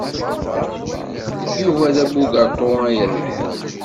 Yuba d abugaṭu ay irebḥen.